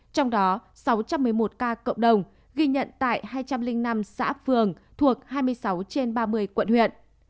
trong đó sáu trăm một mươi một ca cộng đồng ghi nhận tại hai trăm linh năm xã phường thuộc hai mươi sáu trên ba mươi quận huyện